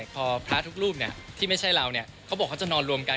พอพระทุกรูปเนี่ยที่ไม่ใช่เราเนี่ยเค้าบอกว่าเค้าจะนอนรวมกัน